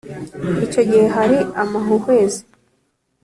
icyo gihe hari amahuhwezi